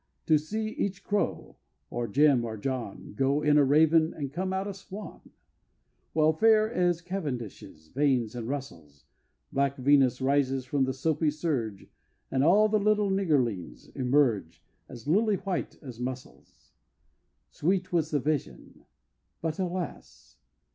To see each Crow, or Jim or John, Go in a raven and come out a swan! While fair as Cavendishes, Vanes, and Russels, Black Venus rises from the soapy surge, And all the little Niggerlings emerge As lily white as mussels. Sweet was the vision but alas!